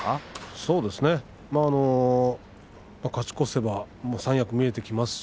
そうですね勝ち越せば三役が見えてきますし